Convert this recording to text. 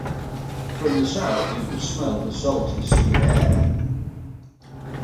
From the south you could smell the salty sea air.